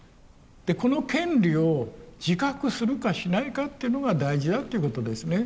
この権利を自覚するかしないかっていうのが大事だっていうことですね。